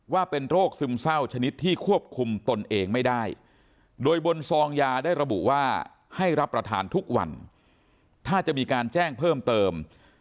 ว่าเป็นโรคซึมเศร้าชนิดที่ควบคุมตนเองไม่ได้โดยบนซองยาได้ระบุว่าให้รับประทานทุกวันถ้าจะมีการแจ้งเพิ่มเติม